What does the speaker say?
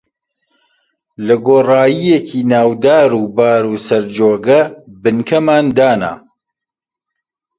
لە گۆڕایییەکی ناو دار و بار و سەر جۆگە، بنکەمان دانا